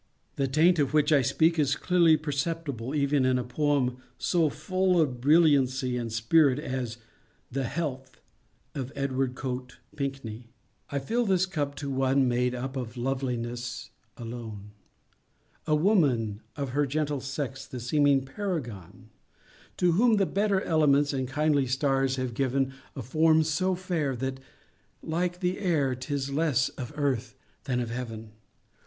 The taint of which I speak is clearly perceptible even in a poem so full of brilliancy and spirit as "The Health" of Edward Coate Pinckney:— I fill this cup to one made up Of loveliness alone, A woman, of her gentle sex The seeming paragon; To whom the better elements And kindly stars have given A form so fair that, like the air, 'Tis less of earth than heaven.